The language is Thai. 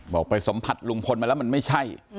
ไปสัมผัสลุงพลมาแล้วมันไม่ใช่